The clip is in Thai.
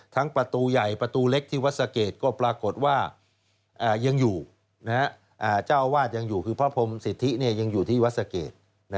ประตูใหญ่ประตูเล็กที่วัดสะเกดก็ปรากฏว่ายังอยู่เจ้าอาวาสยังอยู่คือพระพรมสิทธิยังอยู่ที่วัดสะเกด